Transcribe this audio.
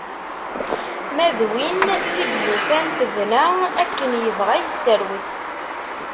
Ma d win tt-id yufan tebna, akken yebɣa i yesserwet.